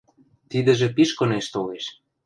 Тидӹжӹ пиш кынеш толеш.